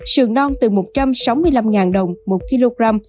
sườn non từ một trăm sáu mươi năm đồng một kg